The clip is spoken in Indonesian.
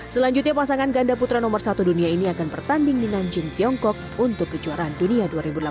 selanjutnya pasangan ganda putra nomor satu dunia ini akan bertanding di nanjing tiongkok untuk kejuaraan dunia dua ribu delapan belas